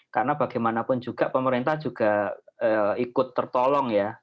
karena bagaimanapun juga pemerintah juga ikut tertolong ya